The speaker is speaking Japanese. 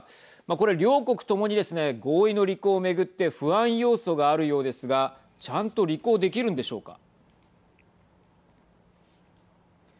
これ両国ともにですね合意の履行を巡って不安要素があるようですがちゃんと履行できるんでしょうか。